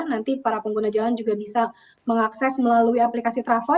nanti para pengguna jalan juga bisa mengakses melalui aplikasi travel